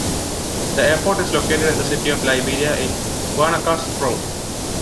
The airport is located in the city of Liberia in Guanacaste Province.